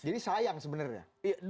jadi sayang sebenarnya